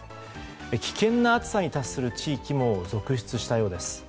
危険な暑さに達する地域も続出したようです。